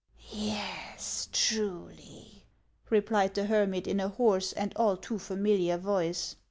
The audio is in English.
" Yes, truly !" replied the hermit in a hoarse and all too familiar voice.